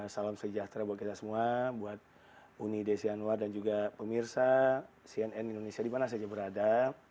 salam sejahtera buat kita semua buat uni desian war dan juga pemirsa cnn indonesia di mana saja berada